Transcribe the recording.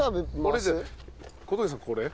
俺小峠さんこれ？